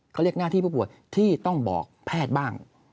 เขาเรียกหน้าที่ผู้ป่วยที่ต้องบอกแพทย์บ้าง